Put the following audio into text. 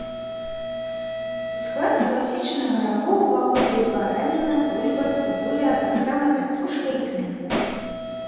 У склад класічнага рагу ўваходзяць бараніна, бульба, цыбуля, а таксама пятрушка і кмен.